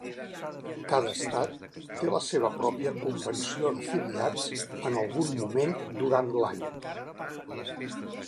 Cada estat té la seva pròpia convenció d'afiliats en algun moment durant l'any.